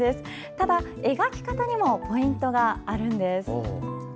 ただ、描き方にもポイントがあるんです。